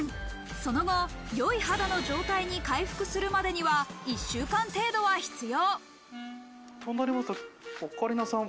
その後、良い肌の状態に回復するまでには１週間程度は必要。